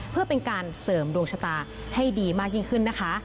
เพื่อเป็นการเสริมดวงชะตาให้ดีมากยิ่งขึ้นนะคะ